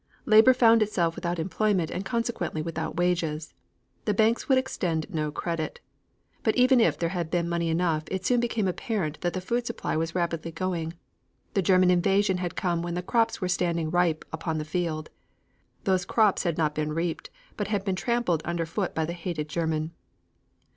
Labor found itself without employment and consequently without wages. The banks would extend no credit. But even if there had been money enough it soon became apparent that the food supply was rapidly going. The German invasion had come when the crops were standing ripe upon the field. Those crops had not been reaped, but had been trampled under foot by the hated German.